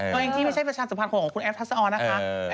ตัวเองที่ไม่ใช่ประชาสัมพันธ์ของคุณแอฟทัศออนนะคะ